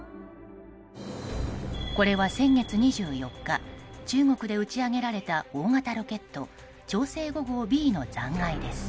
これは、先月２４日中国で打ち上げられた大型ロケット「長征５号Ｂ」の残骸です。